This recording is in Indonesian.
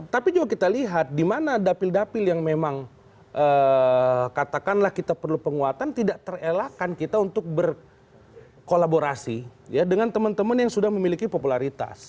tapi juga kita lihat di mana dapil dapil yang memang katakanlah kita perlu penguatan tidak terelakkan kita untuk berkolaborasi dengan teman teman yang sudah memiliki popularitas